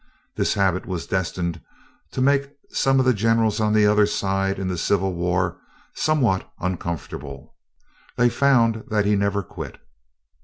This habit was destined to make some of the generals on the other side, in the Civil War, somewhat uncomfortable. They found that he never quit.